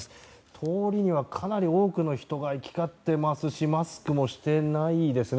通りにはかなり多くの人が行き交っていますしマスクもしていないですね